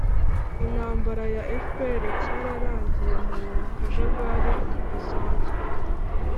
intambara ya fpr cyarangiye mu kajagari kadasanzwe